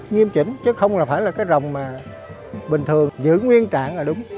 nghiêm chỉnh chứ không phải là cái rồng mà bình thường giữ nguyên trạng là đúng